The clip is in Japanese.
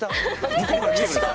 向こうから来てくれた？